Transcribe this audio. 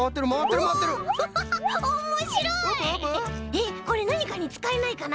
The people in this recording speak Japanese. えっこれなにかにつかえないかな？